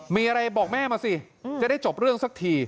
มีอะไรบอกแม่มาสิจะได้จบเรื่องสักที